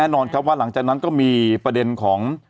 แน่นอนครับว่าหลังจากนั้นก็มีประเด็นของ